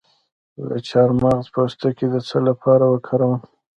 د چارمغز پوستکی د څه لپاره وکاروم؟